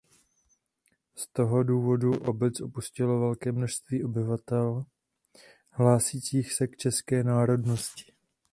Z toho důvodu obec opustilo velké množství obyvatel hlásících se k české národnosti.